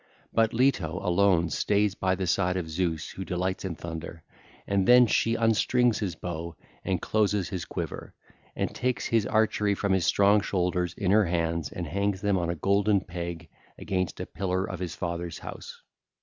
But Leto alone stays by the side of Zeus who delights in thunder; and then she unstrings his bow, and closes his quiver, and takes his archery from his strong shoulders in her hands and hangs them on a golden peg against a pillar of his father's house.